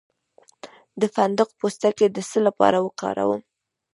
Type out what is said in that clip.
د فندق پوستکی د څه لپاره وکاروم؟